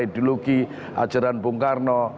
ideologi ajaran bung karno